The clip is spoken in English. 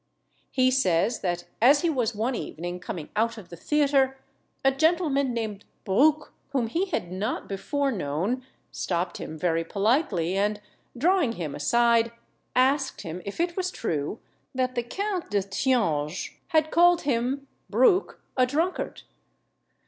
He says, that as he was one evening coming out of the theatre, a gentleman named Bruc, whom he had not before known, stopped him very politely, and, drawing him aside, asked him if it was true that the Count de Thianges had called him (Bruc) a drunkard?